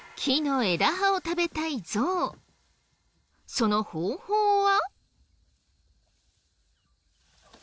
その方法は。